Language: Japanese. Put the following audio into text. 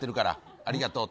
ありがとうって。